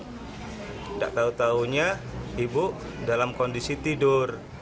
tidak tahu tahunya ibu dalam kondisi tidur